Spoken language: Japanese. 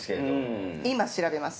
今調べます。